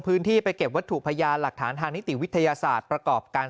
พื้นที่ไปเก็บวัตถุพยานหลักฐานทางนิติวิทยาศาสตร์ประกอบการ